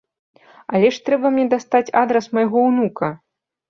Але ж трэба мне дастаць адрас майго ўнука!